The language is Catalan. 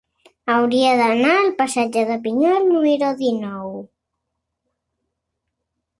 Hauria d'anar al passatge de Pinyol número dinou.